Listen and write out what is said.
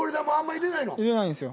入れないんですよ。